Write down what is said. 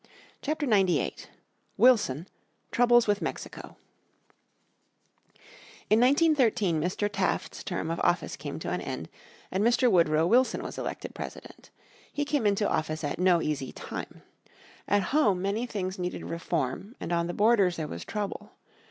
__________ Chapter 98 Wilson Troubles With Mexico In 1913 Mr. Taft's term of office came to an end, and Mr. Woodrow Wilson was elected President. He came into office at no easy time. At home many things needed reform and on the borders there was trouble.